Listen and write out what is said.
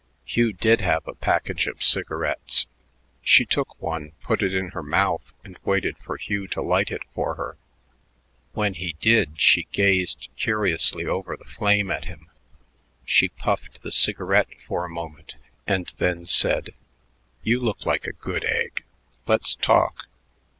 Hugh did have a package of cigarettes. She took one, put it in her mouth, and waited for Hugh to light it for her. When he did, she gazed curiously over the flame at him. She puffed the cigarette for a moment and then said, "You look like a good egg. Let's talk."